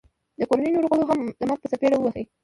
د کوړنۍ نورو غړو هم د مرګ په څپېړه وه وهي